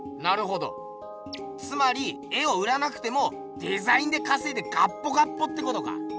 つまり絵を売らなくてもデザインでかせいでガッポガッポってことか。